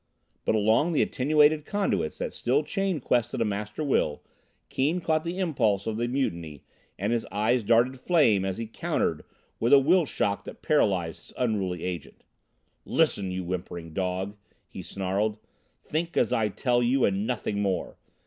But along the attenuated conduits that still chained Quest to the Master Will Keane caught the impulse of the mutiny, and his eyes darted flame as he countered with a will shock that paralyzed his unruly Agent. "Listen! you whimpering dog," he snarled. "Think as I tell you and nothing more!